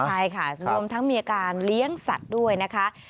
ใช่ค่ะรวมทั้งมีอาการเลี้ยงสัตว์ด้วยนะคะ